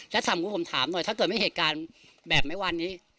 และสมมติก็ผมถามหน่อยถ้าเกิดมีเหตุการณ์แบบไหมวันนี้